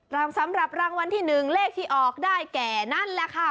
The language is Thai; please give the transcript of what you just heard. สำหรับรางวัลที่๑เลขที่ออกได้แก่นั่นแหละค่ะ